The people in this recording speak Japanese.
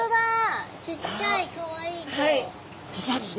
実はですね